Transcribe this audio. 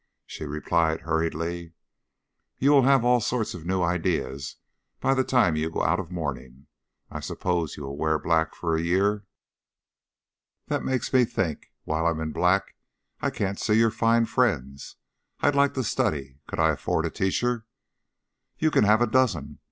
She replied hurriedly, "You will have all sorts of new ideas by the time you go out of mourning. I suppose you will wear black for a year." "That makes me think. While I'm in black I can't see your fine friends. I'd like to study. Could I afford a teacher?" "You can have a dozen.